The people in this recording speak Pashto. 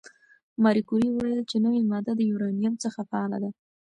ماري کوري وویل چې نوې ماده د یورانیم څخه فعاله ده.